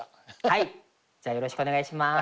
はいじゃあよろしくお願いします。